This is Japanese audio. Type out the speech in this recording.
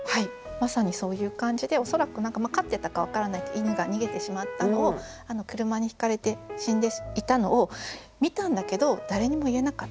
まさにそういう感じで恐らく飼ってたか分からないけど犬が逃げてしまったのを車にひかれて死んでいたのを見たんだけど誰にも言えなかった。